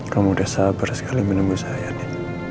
kamu udah sabar sekali menemui saya deh